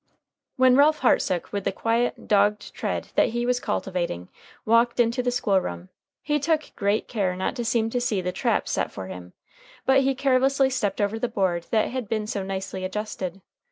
When Ralph Hartsook, with the quiet, dogged tread that he was cultivating, walked into the school room, he took great care not to seem to see the trap set for him; but he carelessly stepped over the board that had been so nicely adjusted.